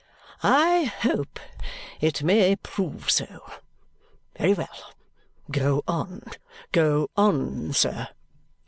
"I hope it may prove so. Very well. Go on. Go on, sir!"